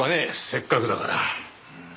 せっかくだから。